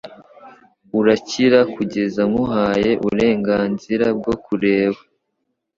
urakira kugeza nkuhaye uburenganzira bwo kureba